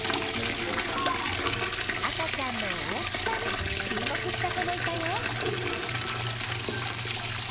赤ちゃんの大きさに注目した子もいたよ。